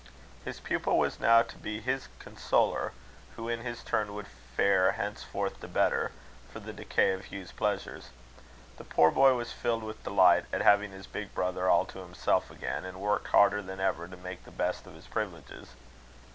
His pupil was now to be his consoler; who in his turn would fare henceforth the better, for the decay of Hugh's pleasures. The poor boy was filled with delight at having his big brother all to himself again; and worked harder than ever to make the best of his privileges.